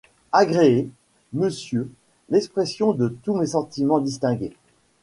Agréez, monsieur, l'expression de tous mes sentiments distingués.